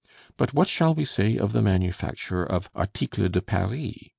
But what shall we say of the manufacture of _articles de Paris?